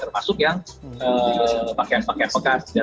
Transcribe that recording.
termasuk yang pakaian pakaian bekas